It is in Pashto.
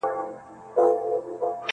• په هوا کشپ روان وو ننداره سوه -